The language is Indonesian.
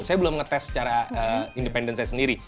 saya belum ngetes secara independen saya sendiri